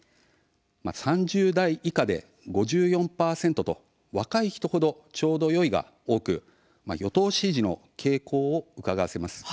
３０代以下で５４％と若い人ほど、ちょうどよいが多く与党支持の傾向をうかがわせます。